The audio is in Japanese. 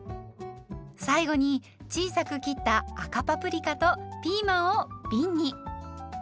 最後に小さく切った赤パプリカとピーマンをびんに。